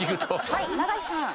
はい長井さん。